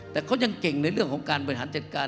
แต่เค้ายังเก่งในเรื่องของบริษัทเจริณ์การ